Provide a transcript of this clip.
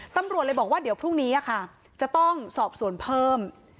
ตำรวจเลยบอกว่าเดี๋ยวพรุ่งนี้ค่ะจะต้องสอบส่วนเพิ่ม